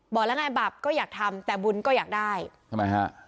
บอกแล้วไงบาปก็อยากทำแต่บุญก็อยากได้ทำไมฮะ